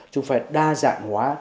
chúng ta phải đa dạng hóa